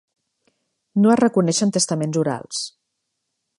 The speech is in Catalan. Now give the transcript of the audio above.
No es reconeixen testaments orals.